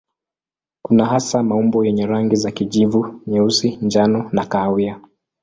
Kuna hasa maumbo yenye rangi za kijivu, nyeusi, njano na kahawia.